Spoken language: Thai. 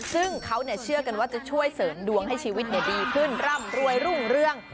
ซึ่งเขาเชื่อกันว่าจะช่วยเสริมดวงให้ชีวิตดีขึ้นร่ำรวยรุ่งเรื่อง